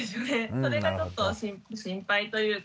それがちょっと心配というか。